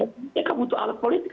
tapi mereka butuh alat politik